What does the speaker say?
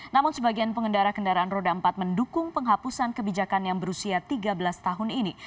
namun sebagian pengendara kendaraan roda empat mendukung penghapusan kebijakan yang berusia tiga belas tahun ini